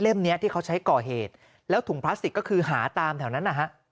เนี้ยที่เขาใช้ก่อเหตุแล้วถุงพลาสติกก็คือหาตามแถวนั้นนะฮะ